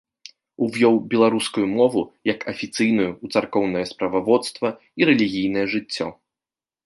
Увёў беларускую мову як афіцыйную ў царкоўнае справаводства і рэлігійнае жыццё.